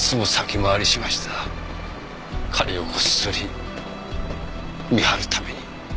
彼をこっそり見張るために。